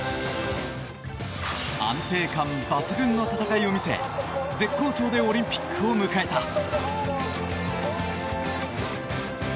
安定感抜群の戦いを見せ絶好調でオリンピックを迎えた。